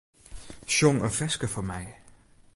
Sjong in ferske foar my.